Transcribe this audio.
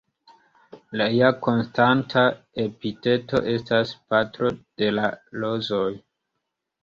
Lia konstanta epiteto estas "patro de la rozoj".